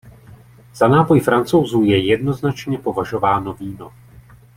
Za nápoj Francouzů je jednoznačně považováno víno.